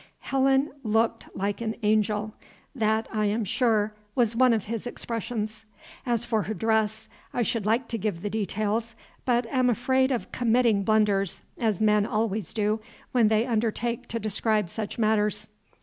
"Helen looked like an angel," that, I am sure, was one of his expressions. As for her dress, I should like to give the details, but am afraid of committing blunders, as men always do, when they undertake to describe such matters.